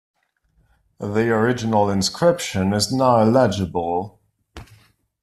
The original inscription is now illegible.